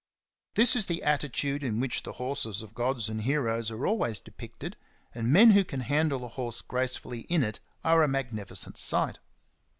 This is the attitude in which the horses of gods and heroes are always depicted, and men who can handle a horse gracefully in it are a magnificent sight.